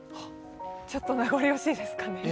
ちょっと名残惜しいですかね。